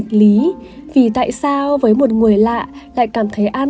cảm thấy an toàn hơn nghe có vẻ như một nghịch lý vì tại sao với một người lạ lại cảm thấy an